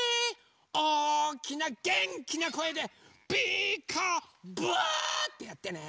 おおきなげんきなこえで「ピーカーブ！」っていってね。